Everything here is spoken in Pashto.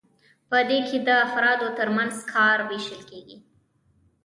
په دې کې د افرادو ترمنځ کار ویشل کیږي.